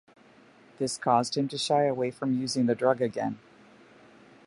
This caused him to shy away from using the drug again.